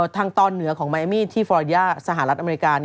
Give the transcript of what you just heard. ทางตอนเหนือของมายมี่ที่ฟรายาสหรัฐอเมริกา